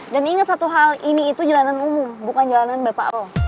dan inget satu hal ini itu jalanan umum bukan jalanan bapak lo